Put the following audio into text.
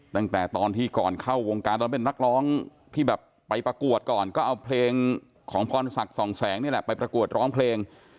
ตั้งแต่ตอนที่ก่อนเข้าวงการตอนเป็นนักร้องที่แบบไปประกวดก่อนก็เอาเพลงของพรศักดิ์สองแสงนี่แหละไปประกวดร้องเพลง